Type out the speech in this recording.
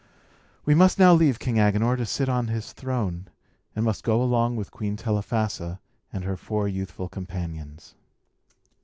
We must now leave King Agenor to sit on his throne, and must go along with Queen Telephassa and her four youthful companions.